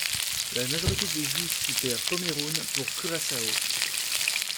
La majorité des Juifs quittèrent Pomeroon pour Curaçao.